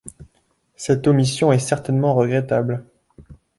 Cette omission est certainement regrettable.